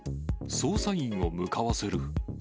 捜査員を向かわせる。